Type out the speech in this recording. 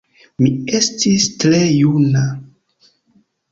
Mi estis tre juna.